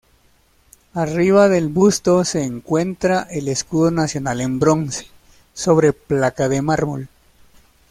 Arriba del busto se encuentra el Escudo Nacional en bronce, sobre placa de mármol.